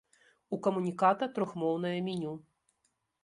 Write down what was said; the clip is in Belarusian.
У камуніката трохмоўнае меню.